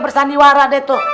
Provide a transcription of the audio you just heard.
bersandiwara deh tuh